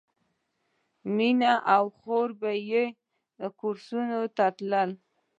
مینه او خور به یې کورسونو ته تللې